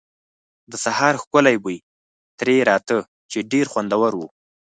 د سهار ښکلی بوی ترې راته، چې ډېر خوندور و.